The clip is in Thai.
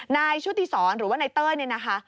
ชุติศรหรือว่านายเต้ยเนี่ยนะคะ